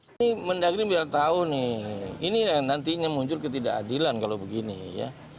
ini mendagri biar tahu nih ini nantinya muncul ketidakadilan kalau begini ya